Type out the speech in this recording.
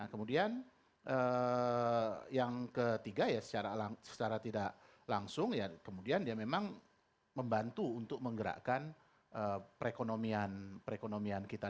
kemudian yang ketiga ya secara tidak langsung ya kemudian dia memang membantu untuk menggerakkan perekonomian kita